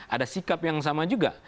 ada sikap yang sama juga